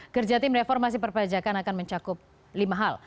kerja tim reformasi perpajakan akan mencakup lima hal